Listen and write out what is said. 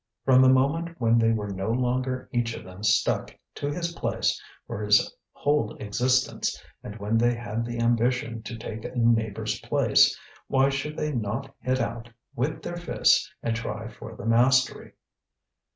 From the moment when they were no longer each of them stuck to his place for his whole existence, and when they had the ambition to take a neighbour's place, why should they not hit out with their fists and try for the mastery?